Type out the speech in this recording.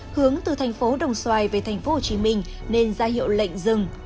hướng từ thành phố đồng xoài về thành phố hồ chí minh nên ra hiệu lệnh dừng